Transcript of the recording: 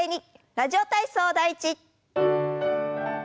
「ラジオ体操第１」。